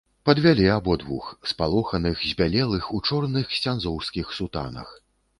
Падвялі абодвух, спалоханых, збялелых, у чорных ксяндзоўскіх сутанах.